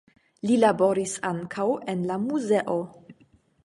Li laboris ankaŭ en la muzeo.